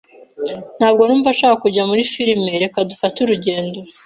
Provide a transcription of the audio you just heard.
Ntabwo numva nshaka kujya muri firime. Reka dufate urugendo.